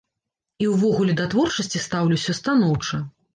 І ўвогуле да творчасці стаўлюся станоўча.